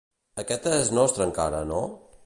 Aquest és nostre encara, no?